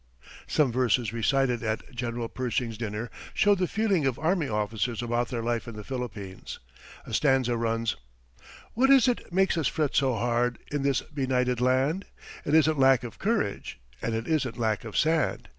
] Some verses recited at General Pershing's dinner showed the feeling of army officers about their life in the Philippines. A stanza runs: "What is it makes us fret so hard In this benighted land? It isn't lack of courage And it isn't lack of 'sand.'